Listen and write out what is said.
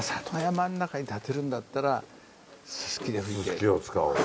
ススキを使おう。